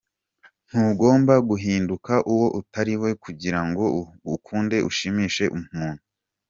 Ntugomba guhinduka uwo utariwe kugira ngo ukunde ushimishe umuntu.